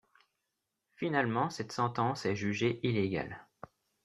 Finalement cette sentence est jugée illégale.